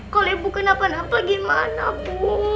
kalau ibu kenapa napa gimana bu